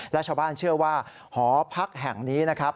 และชาวบ้านเชื่อว่าหอพักแห่งนี้นะครับ